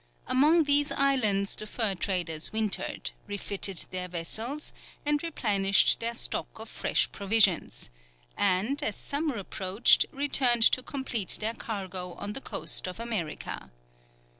Among these islands the fur traders wintered, refitted their vessels, and replenished their stock of fresh provisions; and, as summer approached, returned to complete their cargo on the coast of America.